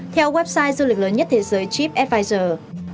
theo website du lịch lớn nhất thế giới tripadvisor